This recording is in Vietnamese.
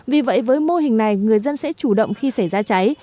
vì vậy với mô hình này người dân sẽ chủ động khi xảy ra cháy